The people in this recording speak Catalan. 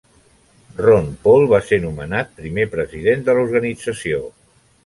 Ron Paul va ser nomenat primer president de l'organització.